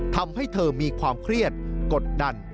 ทำให้เธอมีความเครียดกดดัน